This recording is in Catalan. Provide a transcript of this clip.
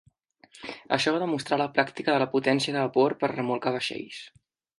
Això va demostrar la pràctica de la potència de vapor per a remolcar vaixells.